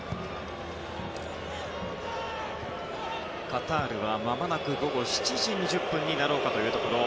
カタールはまもなく午後７時２０分になろうかというところ。